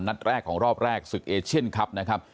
นัดแรกของรอบแรกศึกเอเชียนคลับนะครับ